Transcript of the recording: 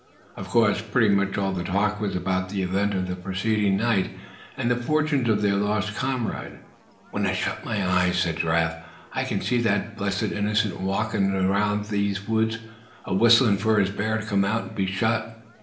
Of course, pretty much all the talk was about the event of the preceding night, and the fortunes of their lost comrade. "When I shut my eyes," said Giraffe, "I c'n just see that blessed innocent awalkin' through these here woods, awhistlin' for his bear to come out and be shot."